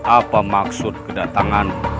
apa maksud kedatangan